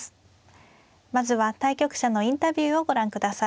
まずは対局者のインタビューをご覧ください。